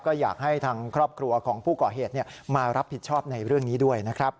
ก็อยากให้ทางครอบครัวของผู้ก่อเหตุมารับผิดชอบในเรื่องนี้ด้วยนะครับ